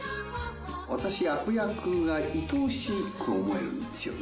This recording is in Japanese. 私悪役が愛おしく思えるんですよね。